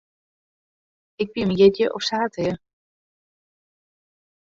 Ik fier myn jierdei op saterdei.